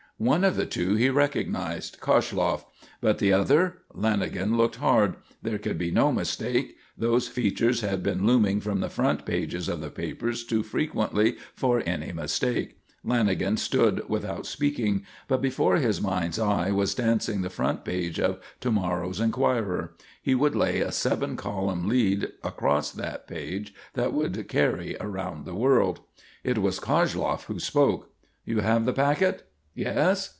One of the two he recognised: Koshloff. But the other! Lanagan looked hard. There could be no mistake; those features had been looming from the front pages of the papers too frequently for any mistake. Lanagan stood without speaking, but before his mind's eye was dancing the front page of to morrow's Enquirer. He would lay a seven column lead across that page that would carry around the world. It was Koshloff who spoke. "You have the packet? Yes?